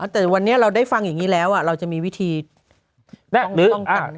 แต่วันนี้เราได้ฟังอย่างนี้แล้วเราจะมีวิธีป้องกัน